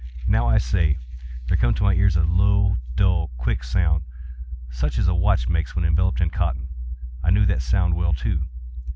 —now, I say, there came to my ears a low, dull, quick sound, such as a watch makes when enveloped in cotton. I knew that sound well, too.